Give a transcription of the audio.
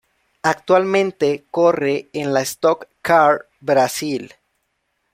Actualmente corre en la Stock Car Brasil.